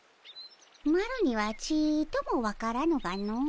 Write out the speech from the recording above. マロにはちとも分からぬがの。